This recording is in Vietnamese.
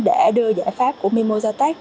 để đưa giải pháp của mimosa tech